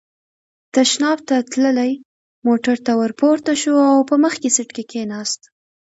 تشناب ته تللی، موټر ته ور پورته شو او په مخکې سېټ کې کېناست.